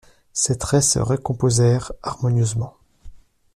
Ses traits se recomposèrent harmonieusement.